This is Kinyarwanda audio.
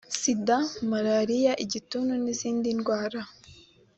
sida malariya igituntu n izindi ndwara